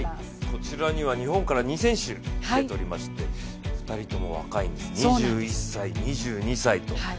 こちらには日本から２選手出ておりまして、２人とも若いんです、２１歳、２２歳と。